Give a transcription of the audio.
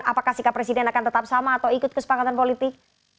apakah sikap presiden akan tetap sama atau ikut kesepakatan politik